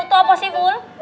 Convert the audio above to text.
kamu tuh apa sih bul